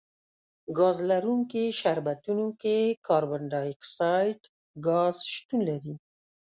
ګاز لرونکي شربتونو کې کاربن ډای اکسایډ ګاز شتون لري.